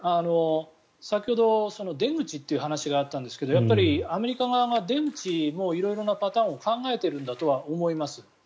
先ほど、出口という話があったんですがやっぱり、アメリカ側は出口も色々なパターンを考えているんだと思います。